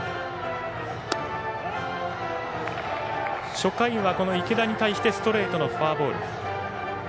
初回は池田に対してストレートのフォアボール。